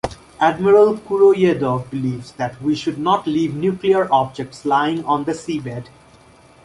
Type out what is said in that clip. Admiral Kuroyedov believes that "we should not leave nuclear objects lying on the seabed".